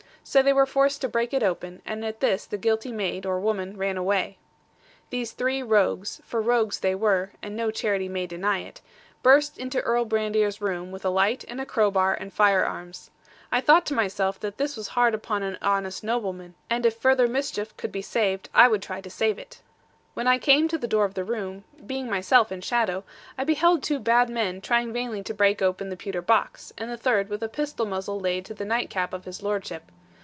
So they were forced to break it open; and at this the guilty maid, or woman, ran away. These three rogues for rogues they were, and no charity may deny it burst into Earl Brandir's room, with a light, and a crowbar, and fire arms. I thought to myself that this was hard upon an honest nobleman; and if further mischief could be saved, I would try to save it. When I came to the door of the room, being myself in shadow, I beheld two bad men trying vainly to break open the pewter box, and the third with a pistol muzzle laid to the night cap of his lordship.